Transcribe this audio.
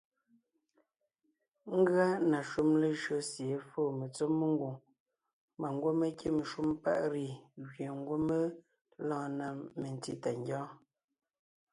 Ngʉa na shúm lejÿo sie é foo metsɔ́ mengwòŋ mbà ngwɔ́ mé kîm shúm paʼ “riz” gẅie ngwɔ́ mé lɔɔn na metsí tà ngyɔ́ɔn.